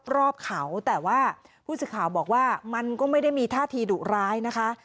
รอบเขาแต่ว่าผู้สื่อข่าวบอกว่ามันก็ไม่ได้มีท่าทีดุร้ายนะคะ